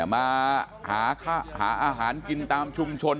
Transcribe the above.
มาหาอาหารกินตามชุมชน